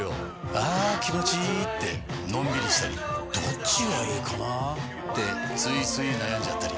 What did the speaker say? あ気持ちいいってのんびりしたりどっちがいいかなってついつい悩んじゃったり。